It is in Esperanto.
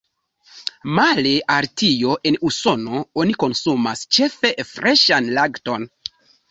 Male al tio, en Usono oni konsumas ĉefe freŝan lakton.